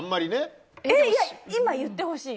今言ってほしい。